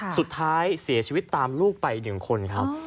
สุดท้ายเสียชีวิตตามลูกไป๑คนครับ